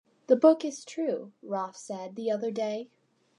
'The book is true,' Roth said the other day.